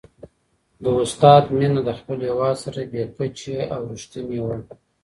د استاد مینه له خپل هېواد سره بې کچې او رښتینې وه.